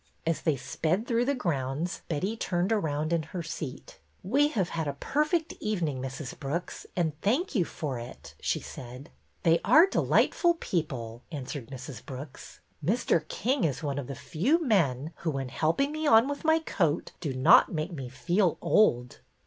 As they sped through the grounds Betty turned around in her seat. ''We have had a perfect evening, Mrs. Brooks, and thank you for it," she said. " They are delightful people," answered Mrs. Brooks. " Mr. King is one of the few men who, when helping me on with my coat, do not make me feel old."